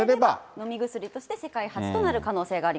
飲み薬として世界初となる可能性があります。